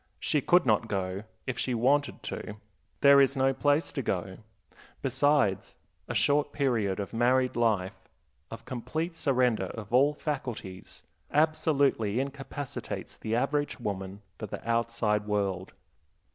She could not go, if she wanted to; there is no place to go. Besides, a short period of married life, of complete surrender of all faculties, absolutely incapacitates the average woman for the outside world.